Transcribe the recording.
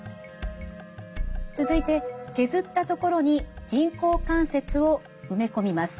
続いて削った所に人工関節を埋め込みます。